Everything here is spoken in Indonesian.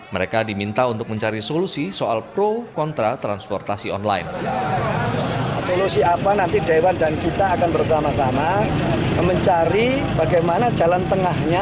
mereka diminta untuk mencari solusi soal pro kontra transportasi online